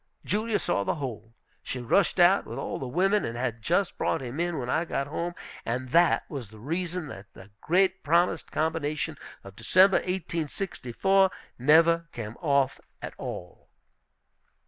Julia saw the whole. She rushed out with all the women, and had just brought him in when I got home. And that was the reason that the great promised combination of December, 1864, never came off at all.